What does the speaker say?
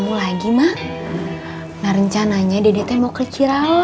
bikin merek lagi ke em traffic lalu